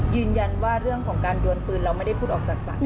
ยืนยันว่าเรื่องของการโยนปืนเราไม่ได้พูดออกจากปาก